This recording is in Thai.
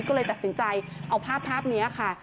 ก็เลยตัดสินใจเอาภาพนี้ค่ะ